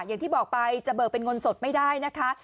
อย่างที่บอกไปจะเบิกเป็นเงินสดไม่ได้นะคะ